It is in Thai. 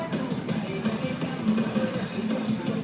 เตะได้ประมาณ๕นาทีอะพี่